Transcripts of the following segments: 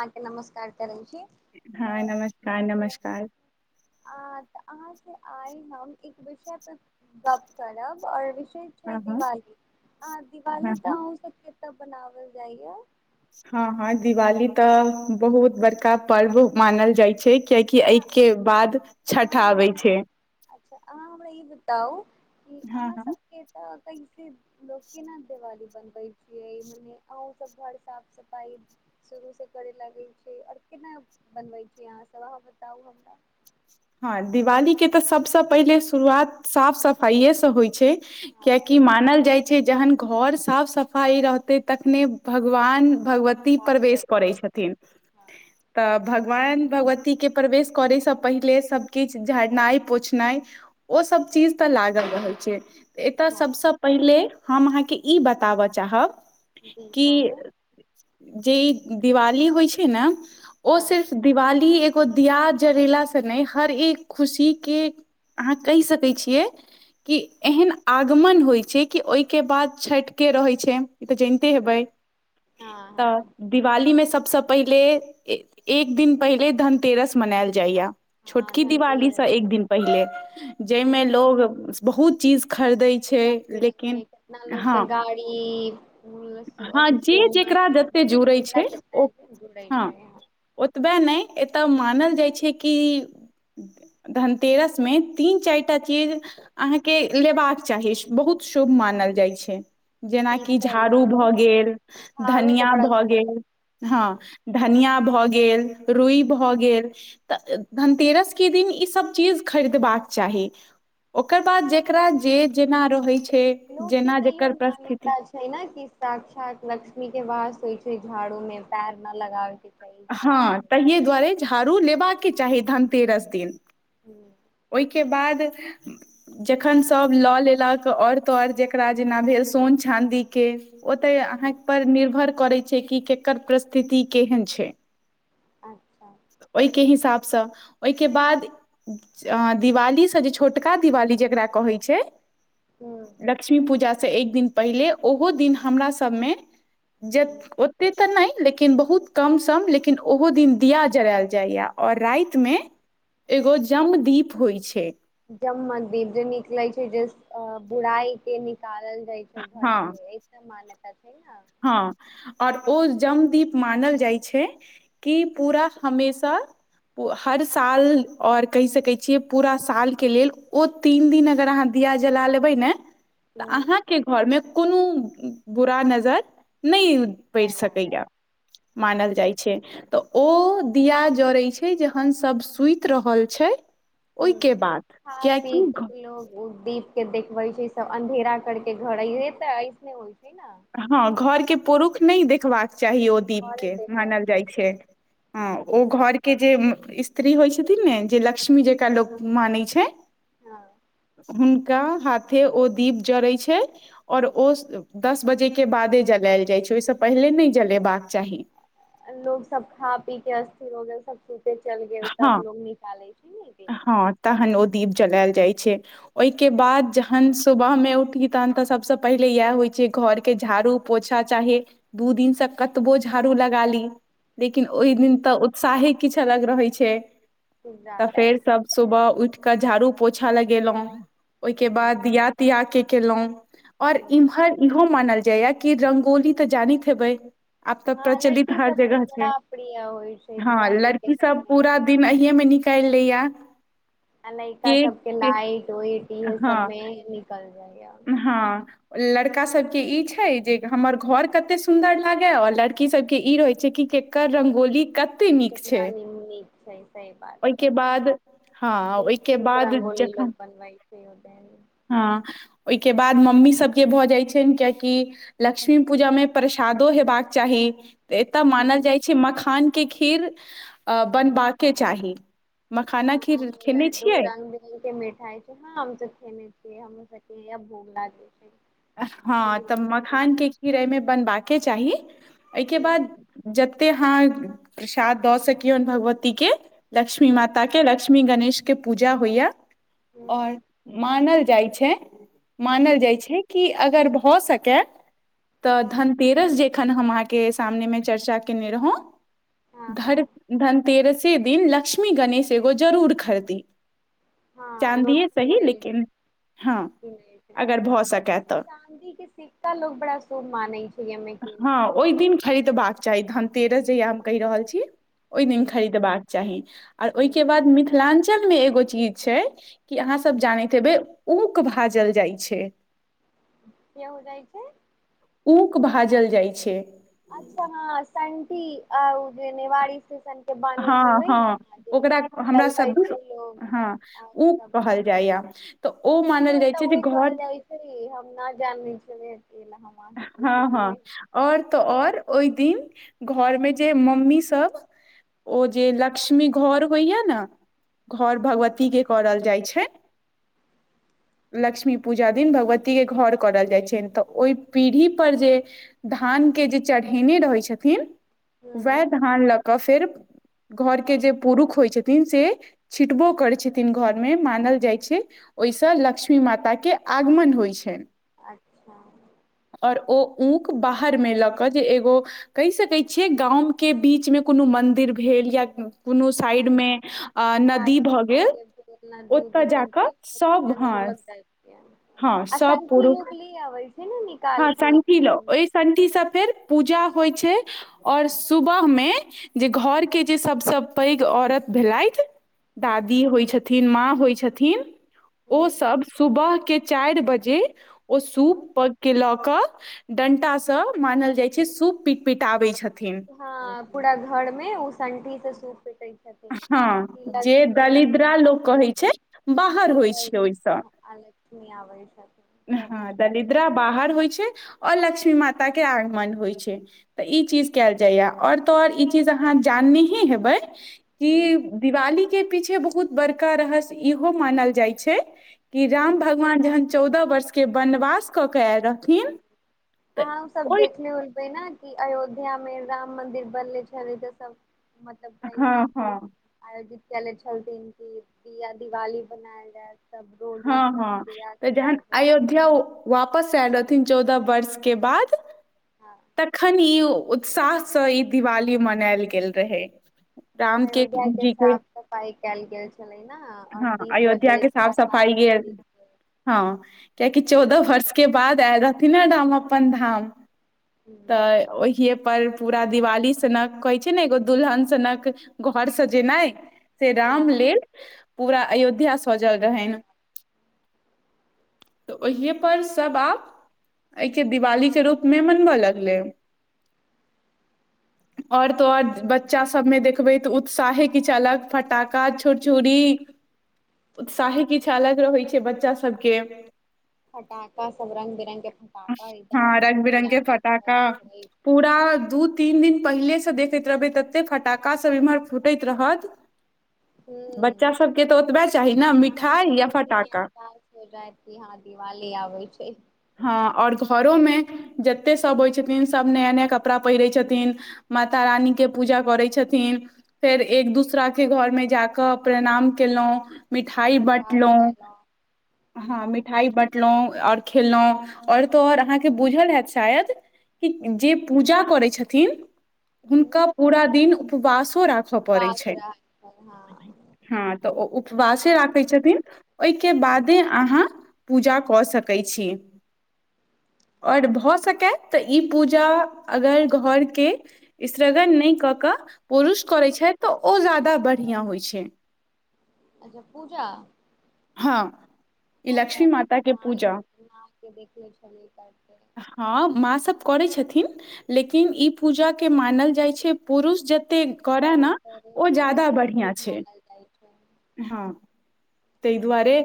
अहा नमस्कार के रजी हँ नमस्कार नमस्कार अहाँ से आइ हम एक विषय पर गप करब और वि छै हँ हँ दिवाली अ दिवाली हँ तऽ अह सब केत बनावल जाइया हँ हँ दिवाली तऽ बहुत बड़का पर्व मानल जाइ छै कियाकि तऽ एहिके बाद छठ आबै छै च्छा अहाँ हमरा ई बताउ कि हँ अहाँ हँ सब के त कैसे लोक के दिवाली बनबे छियै मने अ सब घर साफ सफाई शुरू से करे लागे र केना मनबै छैहाँ सब अ बता हमरा हँ दिवाली के तऽ सभसँ पहिले शुरुआत साफ सफाइए से होइ छै हँ कियकि मानल जाइ छै जहन घर साफ सफाइ रहतै तखने भगवान भगवती बात प्रवेश करै करती छथिन हँ तऽ भग वायान भगवती के प्रवेश करे से पहिले सब किछु झड़नाइ पोछनाइ ओ सब चीज तऽ लागल रहल छै एतय हँ सभसँ पहिले हम अहाँके ई बताबय चाहब जी कि कहूॅं जे दिवाली होइ छै ने ओ हँ सिर्फ दिवाली के दिया जरेला से नहि हर एक खुशी के अहाँ कहि सकै छियै कि एहन आगमन होइ छै कि ओहिके बाद छठि के रहैत छैन ई तऽ जानिते हेबै हँ तऽ हँ दिवाली मे सब सबस पहिले एक दिन पहिले धनतेरस मनायल जाइया हँ छोटकी दिवालीसँ धनतेरस एक दिन पहिले जाहिमे लोग बहुत चीज खरीदै छै र लेकिन कितना लोग तऽ हँ गाड़ी हँ अथि‌ जे सोना जेकरा जते जुड़ै छै ओ हँ [unintelligible] ओतबे नहि एतय मानल जाइ छै कि धनतेरस मे तीन चारिटा चीज अहाँके लेबाक चाही बहुत शुभ मानल जाइ छै जेनाकि पीतल ई झाड़ू सब ने भऽ गेल झाड़ू तऽ धनिया बड़ा भऽ गेल ह हँ धनिया भऽ गेल रुइ भऽ गेल तऽ धनतेरस के दिन ई सब चीज खरीदबाक चाही ओकर बाद जेकरा जे जेना रहैत छै लोक के जेना तऽ इो जकर परिस्थिति मान्यता छै ने कि साक्षात लक्ष्मी के वास होइ छै झाड़ूमे पेर न लगाबे चाही झाड़ू हँ तहिए दुआरे झाड़ू लेबाके चाही धनतेरस दिन हूँ ओहिके बाद जखन सभ लऽ लेलक आओर तऽ आओर जेकरा जेना भेल सोन चाँदी के ओ तऽ अहाँ ह पर निर्भर करै छै कि केकर परिस्थिति केहन छै अच्छा ओहि के हिसाब सँ ओहिके बाद दिवालीसँ जे छोटका दिवाली जेकरा कहै छै ह लक्ष्मी पूजाँ एक दिन पहिले ओहो दिन हमरा सभमे ओतेक तऽ नहि लेकिन बहुत कम सम लेकिन ओहो दिन दिया जरायल जाया और राति मे एगो जमदीप होइ छै जम दीप जे निकलै छै जे बुराई के निकालल जाइ छै घर हँ सँ एहि तऽ मान्यता छै न हँ आओर ओ जमदीप मानल जाइ छै कि पूरा हमेशा हर साल आओर कहि सकै छियै पूरा साल के लेल ओ तीन दिन अगर अहाँ दि या जला लेबै ने तऽ हुं, अहाँ के घर मे कोनो बुरा नजर नहि पड़ि नहि लागत सकैया मानल जाइ छै तऽ ओ दिया जड़ै छै जहन सब सुति रहल छै हूँ ओहिके बाद खा कियकि पीक लोक ओ दीप के देखबे छै सब अन्धेरा कर के घरे ते ऐसने होइ छै ने हँ घर के पुरुष नहि देखबाक चाही ओ दीप औरे के देखे मानल जाइ छै हँ ओ घर के जे स्त्री होइ छथिन ने जे लक्ष्मी जेकरा लोक मानै छै हँ हुनका हाथे ओ दीप जड़ै छै आओर ओ दस बजे के बादे जलायल जाइ छै ओहिसँ पहिले नहि जलेबाक चाही नौ बजे सब सुते चल गेल हँ तब लोग निकाले छै न इ दीप चलायल जाइ छै ओहिके बाद जहन सुबह मे उठही तहन तऽ सबसँ पहिले इएह होइ छै घर के झाड़ू पोछा चाही दू दिन सँ कतबो झाड़ू लगा ली लेकिन ओहि दिन दीप तऽ उत्साहे किछु अलग रहै छै तऽ जादा फेर सभ सुबह उठि कऽ झाड़ू पोछा लगेलहुँ ओहि के ह बाद दिया तिया के केलहु और इम्हर इहो मानल जाइये की रंगोली तऽ जानैत हेबै आब तऽ हँ प्रचलित लड़की हर सबके जगह छै बड़ा प्रिय होइ छै दिवाली के समय अहि मे निकाल लेया अलैका सबके लाइटोइट इह हँ सबमे निकल जाइया हँ लड़का सबके ई छै जे हमर घर कते सुन्दर लागे और लड़की सबके ई रहे छै कि केकर रंगोली कत कितना नीक छै सही बात छै ओहिके बाद हँ एक ओहिके बाद जखन से ओ देै [inaudible] हँ ओहिके बाद मम्मी सबके भऽ जाइत छैन कियेकि लक्ष्मी पूजामे परेशान सादो हेबाक चाही एतय मानल मे जाइ छै मखान के खीर अ बनबाके चाही मखाना हँ खीर खेने लड्डू छियै रंग बिरंग के मिठाइ छै हँ आम खेने छै [inaudible] से हमर सबके इहे भोग लागै छै हँ खीर तऽ भऽ गेल मखानके खीर एहिमे बनबाके चाही एहिके हूँ बाद जतेक अहाँ प्रसाद दऽ सकियौन भगवतीके लक्ष्मी हूँ माता के लक्ष्मी गणेश के पूजा होइया हूँ और मानल जाइ छै मानल हूँ, जाइ छै कि अगर भऽ सकय तऽ धनतेरस जे एखन हम अहाँके सामनेमे चर्चा कयने रहौ हँ हँ धनतेरसे दिन लक्ष्मी गणेश एगो जरूर खरदी हँ चाँदिे लोक सही खरीदै छै लेकिन हँ किनै अगर भऽ सकै छै चाँदी के सिक्का लोग बड़ा शुभ मानै छै मे क नहि लगा धन तेरस जहिया हम कहि रहल छी ओहि हूँ दिन खरीदबाक चाही आ हूँ हूँ ओहिके बाद मिथिलाञ्चलमे एगो चीज छै कि अहाँ सब जानैत हेबै ऊक भाजल जाइ छै के हो जाइ छै ऊक भाजल जाइ छै अच्छा हँ सन्टी नेवाड़ी से बानी हँ छैहि हँ नेग ओकरा हमरा सब जलवठ दिस ल हँ आ ऊक कहल जाइया तऽ ओ हमरो मानल ए जाइ तऽ छै जे उहे घर कहल जाइ छै हम नहि जानल छलियै तै लए हम अहाँसँ पूछली हँ कि हँ उहे आओर तऽ आओर ओहि दिन घर में जे मम्मी सब ओ जे लक्ष्मी घर होइया ने घर भगवतीक के करल जाइ छै लक्ष्मी पूजा दिन भगवतीक के घर करल जाइ छनि तऽ ओहि पीढ़ी पर जे धान के जे चढ़ेने रहै छथिन वेह हूँ धान ल कऽ फेर घर के जे पुरुष होइ छथिन से छिटबो करै छथिन घरमे मानल जाइ छै ओहिसँ लक्ष्मी माता के आगमन होइ छनि अच्छा आओर ओ ऊक बाहर मे लऽ कऽ जे एगो कहि सकैइ छियै गाँम के बीचमे कोनो मंदिर भेल या कोनो साईड में गाछ नदी उदी ओतय जा सत कऽ सभ ज हँ लगरक हँ आ सभ संठी पुरुष लोक ले आबै छै ने निकाल हँ के संठी ल हूँ ओहि संठी स फेर पूजा होइ छै आओर सुबह में जे घर के जे सबस पैघ औरत भेलथि दादी होइ छथिन माँ होइ छथिन ओ हँ सब सुबह के चारि बजे ओ सूप प ल क डंटा से मानल जाइ छै सूप पिट पिटाबई छथिन हां पूरा घर में ओ संठी से सूप पीटै हँ जे दलिद्रा माँ लोक के कहै छै बाहर होइ निकल छै ओहिसँ जाय आ लक्ष्मी आबै छथिन प्रवेश हँ करै दलिद्रा बाहर होय छै आओर लक्ष्मी माता के आगमन होय छै त ई चीज कयल जाइए आओर तो आओर ई चीज अहाँ जान नीहे हेबै कि छथिन दिवाली के पीछे बहुत बड़का रहस्य इहो मानल जाइ छै कि राम हुं भगवान जहन चौदह वर्षके वनवास कऽ क आएल रहथिन तऽ अहाँ सब ओई देखले होबै ने अयोध्या में राम मदिर बनले छलै तऽ सब मतलब हँ पहिने सँ हँ आयोजित चले छल दिन या दि वाली मनायल जायत सब रोड हँ उड सब हँ दिया तऽ के जहन प्रज्वलित अयोध्या वापस आयल रह न चौदह वर्ष के बाद हँ तखन ई उत्साहसँ ई दिवाली मनायल गेल रहय अयोध्या के साफ सफाई कयल गेल छलै ना और दीप प्रज्वलित कयक पड़ि गेल हँ कियाकि हूं चौदह वर्ष के बाद आयल रहथिन राम अपन धाम तऽ ओहिये पर पूरा दिवाली सनक कहै छै ना एगो दुलहन सनक घर सजेनाय से हँ रामलेल पूरा अयोध्या सजल रहैन [unintelligible] तऽ ओहिेए पर सब आप अई के दिवालीे रूपमे मनबय लगलै [inaudible] [unintelligible] आओर त आओर बच्चा सबमें देखबै तऽ उत्साहे किछु अलग फटाका छुरछुड़ी [unintelligible] उत्साहे किछ अलग रहैइ छै बच्चा सबके फटाका सब रंग बिरंग के फटाका एकदम हँ रंग कीन बिरंग के लागे छै पटाखा फोड़ै छै पूरा दू तीन दिन पहिले से देखैत रहबै तते फटाका सब इम्हर फूटैत रहत हूँ बच्चा सबके तऽ ओतबे चाही ने अहाँके मिठाई या पहिले से ही फटाका एहसास हो जाएत कि हँ दिवाली आबैय छै आओर घरो में जते सब होइ छथिन सब नया नया कपड़ा पहिरे छथिन माता रानी के पूजा करै छथिन फेर एक दोसरा के घर मे जााकऽ प्रणाम केलहुँं मिठाइ प्रसाद बँटलौं खयलहुँ हँ मिठाई बँटलौं आओर खेलौं आओर त आओर अहाँके बुझल हयत शायद कि जे पूजा करै छथिन थिन हुनका पूरा दिन उपवासो राखय पड़ै उपास छनि रहै छै, हँ हां तऽ ओ उपवासे राखै छथिन ओईके बादे अहाँ पूजा कऽ सकै छी [unintelligible] आओर भऽ सकय तऽ ई पूजा अगर घरके सृगण नहि कऽ कऽ पुरुष करैत छथि तऽ ओ जादा बढ़ियाॅं होइ छै अच्छा पूजा हाँ ई हमरा लक्ष्मी एतऽ तऽ माता के माय पूजा मायके देख लै छलै करते हाँ माँ सब कह लेकिन इ पूजा के मानल जाइ छै पुरुष जते करय करे ने करे ओ तऽ जादा ओतना बढ़ियाॅं शुभ छै मानल जाइ छै हाँ तहि दुआरे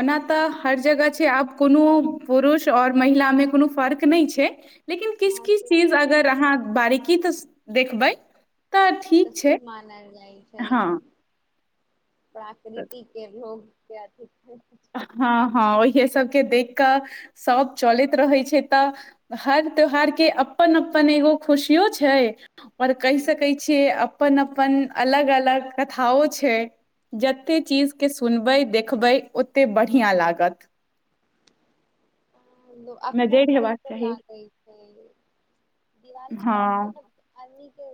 ओना तऽ हर जगह छै आब कोनो पुरुष आओर महिलामे को फर्क नहि छै लेकिन किछ हँ किछ से तऽ चीज छै अगर अहाँ बारीकी तऽ देखबै तऽ ठीक छै शुभ मनाल जाय छै हँ प्राकृतिक के भोग क इे सबके देख कऽ सब चलैत रहै छै तऽ हर त्यौहार के अपन अपन अपन एगो खुशियो छै आओर कहि सकैत छियै अपन अपन अलग अलग कथाओं छै जते चीजके सुनबै देखबै ओत ते बढ़ियाॅं लागत आ खूब नजरि हेबाक नीको चाही लागै छै दिवाली हँ मतलब अम के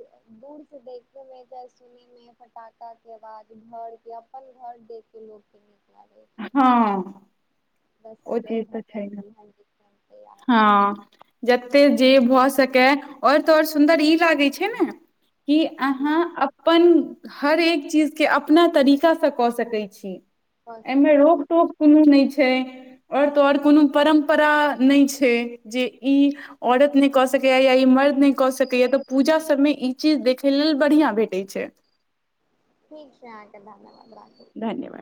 दूर से देखे में चाहे सुने मे पटाका के आवाज घर के अपन घर दे के लोटे मे हाँ बस आ जाउ हाँ जते जे भऽ सकै और तऽ ओर सुन्दर ई लागे छै ने कि अहाँ अपन हर एक चीजके अपना तरीकासे कऽ सकै छी भऽ एमे सकैत छै रोकटोक कोनो नहि छै ओर तऽ ओर कोनो परम्परा नहि छै जे ई औरत नहि कऽ सकैय या ई मर्द नहि कऽ सकैया तऽ पूजा सबमे ई चीज देखै लेल बढ़ियाॅं भेटै छै ठीक छै अहाँके धन्यवाद राखू धन्यवाद